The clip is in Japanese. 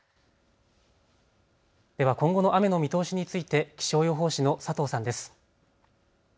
では今後の雨の見通しについて気象予報士の佐藤さんです。